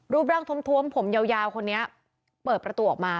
รูปร่างทวมผมยาวคนนี้เปิดประตูออกมา